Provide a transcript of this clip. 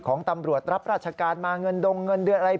ของตำรวจรับราชการมาเงินดงเงินเดือนอะไร